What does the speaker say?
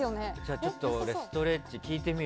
ちょっとストレッチ聞いてみる。